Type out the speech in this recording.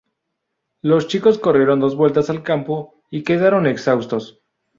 Los chicos corrieron dos vueltas al campo y quedaron exhausto.